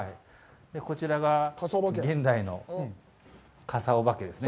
こちらが現代の傘おばけですね。